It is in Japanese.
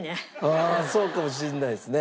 ああそうかもしれないですね。